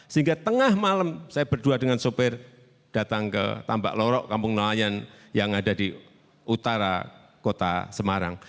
sehingga tengah malam saya berdua dengan sopir datang ke tambak lorok kampung nelayan yang ada di utara kota semarang